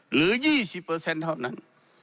หรือ๒๐เท่านั้น